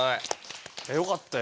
よかったよ。